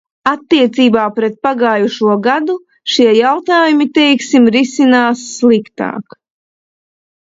Attiecībā pret pagājušo gadu šie jautājumi, teiksim, risinās sliktāk.